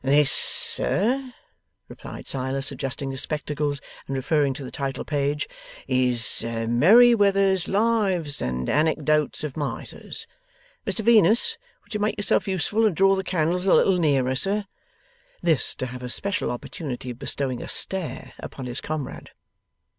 'This, sir,' replied Silas, adjusting his spectacles, and referring to the title page, 'is Merryweather's Lives and Anecdotes of Misers. Mr Venus, would you make yourself useful and draw the candles a little nearer, sir?' This to have a special opportunity of bestowing a stare upon his comrade.